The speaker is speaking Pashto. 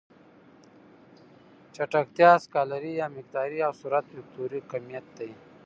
چټکتیا سکالري يا مقداري او سرعت وکتوري کميت دی.